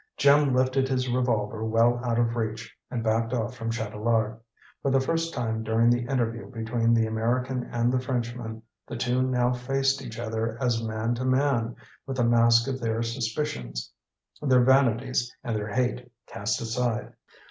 Jim lifted his revolver well out of reach, and backed off from Chatelard. For the first time during the interview between the American and the Frenchman, the two now faced each other as man to man, with the mask of their suspicions, their vanities and their hate cast aside.